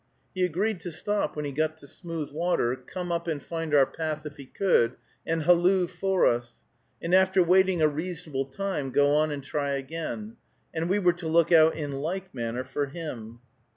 He agreed to stop when he got to smooth water, come up and find our path if he could, and halloo for us, and after waiting a reasonable time go on and try again, and we were to look out in like manner for him.